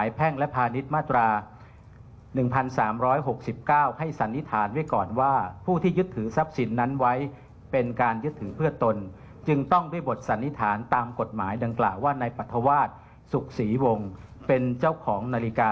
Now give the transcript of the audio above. ยืมนาฬิกาอยู่บ่อยครั้ง